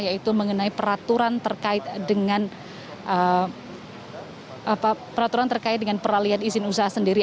yaitu mengenai peraturan terkait dengan peralian izin usaha sendiri